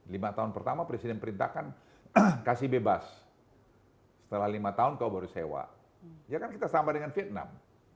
lima tahun pertama presiden perintahkan kasih bebas setelah lima tahun kau baru sewa ya kan kita sama dengan vietnam